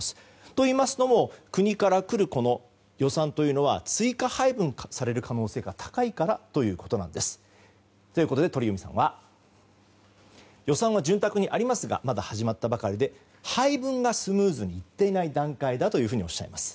といいますのも国からくる予算というのは追加配分される可能性が高いからということなんです。ということで鳥海さんは予算は潤沢にありますがまだ始まったばかりで、配分がスムーズにいっていない段階だとおっしゃいます。